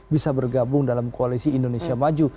bisa bergabung dalam koalisi indonesia maju